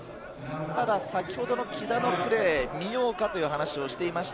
ただ先ほどの木田のプレーを見ようかという話をしていました。